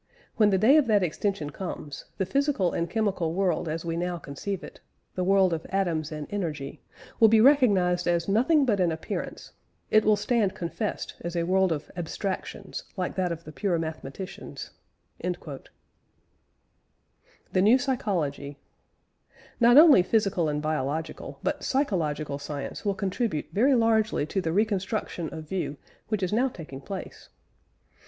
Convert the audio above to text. When the day of that extension comes, the physical and chemical world as we now conceive it the world of atoms and energy will be recognised as nothing but an appearance ... it will stand confessed as a world of abstractions like that of the pure mathematicians." THE NEW PSYCHOLOGY. Not only physical and biological, but psychological science will contribute very largely to the reconstruction of view which is now taking place.